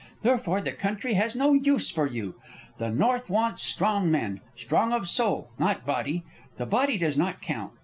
Therefore the country has no use for you. The north wants strong men, strong of soul, not body. The body does not count.